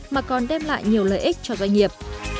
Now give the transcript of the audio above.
mà còn đem lại nhiều lợi ích cho doanh nghiệp